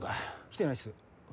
来てないすよ。